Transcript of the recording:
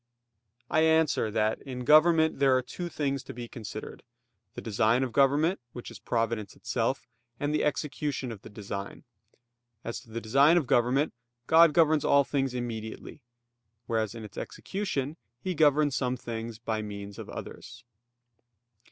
I answer that, In government there are two things to be considered; the design of government, which is providence itself; and the execution of the design. As to the design of government, God governs all things immediately; whereas in its execution, He governs some things by means of others.